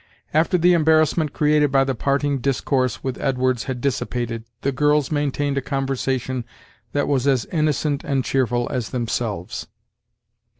After the embarrassment created by the parting discourse with Edwards had dissipated, the girls maintained a conversation that was as innocent and cheerful as themselves.